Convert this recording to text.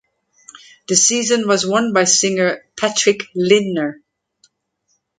The season was won by singer Patrick Lindner.